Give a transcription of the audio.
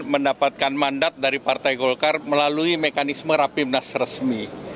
mendapatkan mandat dari partai golkar melalui mekanisme rapimnas resmi